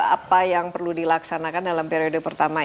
apa yang perlu dilaksanakan dalam periode pertama